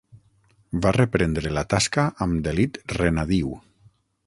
Va reprendre la tasca amb delit renadiu.